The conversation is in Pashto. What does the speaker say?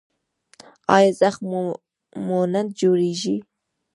ایا زخم مو نه جوړیږي؟